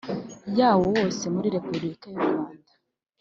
Yawo hose muri repubulika y u rwanda